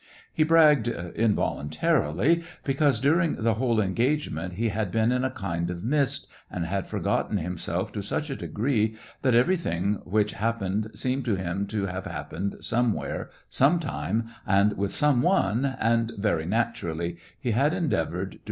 He bragged involuntarily, because, during the whole engagement, he had been in a kind of mist, and had forgotten himself to such a degree that everything which happened seemed to him to have happened somewhere, sometime, and with some one, and very naturally he had endeavored to SEVASTOPOL IN MAY.